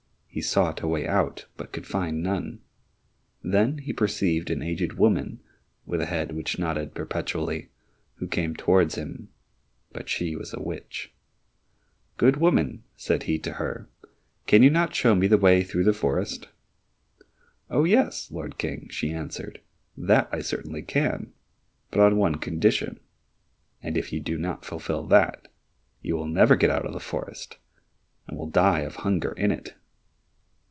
He sought a way out, but could find none. Then he perceived an aged woman with a head which nodded perpetually, who came towards him, but she was a witch. "Good woman," said he to her, "Can you not show me the way through the forest?" "Oh, yes, Lord King," she answered, "that I certainly can, but on one condition, and if you do not fulfil that, you will never get out of the forest, and will die of hunger in it."